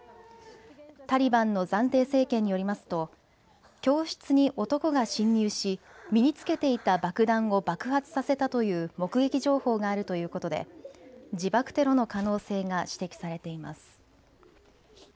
タリバンの暫定政権によりますと教室に男が侵入し身につけていた爆弾を爆発させたという目撃情報があるということで自爆テロの可能性が指摘されています。